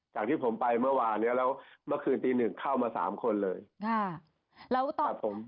จากที่ผมไปเมื่อวานเนี้ยแล้วเมื่อคืนตีหนึ่งเข้ามาสามคนเลยค่ะแล้วตอนตัดผม